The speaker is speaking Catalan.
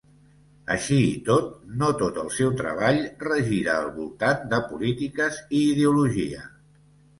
Així i tot, no tot el seu treball regira al voltant de polítiques i ideologia.